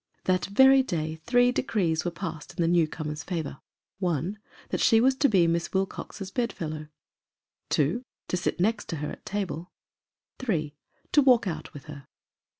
That very day three decrees were passed in the new comer's favor : 1st. That she was to be Miss Wilcox's bed fellow. 2d. To sit next her at table. 3d. To walk out with her.